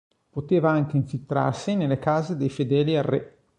Poteva anche infiltrarsi nelle case dei fedeli al re.